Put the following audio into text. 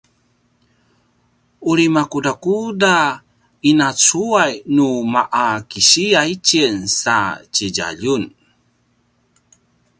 uri makudakuda ina cuay nu ma’a kisiya itjen sa tje djaljun?